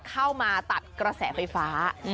เข้ามาตัดกระแสไฟฟ้า